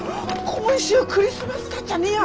今週クリスマスだっちゃねや。